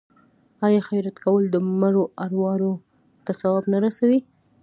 آیا خیرات کول د مړو ارواو ته ثواب نه رسوي؟